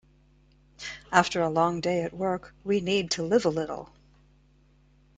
After a long day at work, we need to live a little.